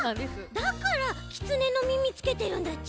だからきつねのみみつけてるんだち？